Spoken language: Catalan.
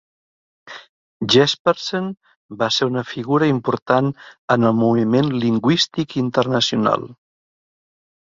Jespersen va ser una figura important en el moviment lingüístic internacional.